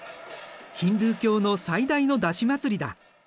ヒンドゥー教の最大の山車祭りだ。